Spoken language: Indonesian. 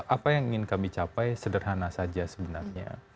apa yang ingin kami capai sederhana saja sebenarnya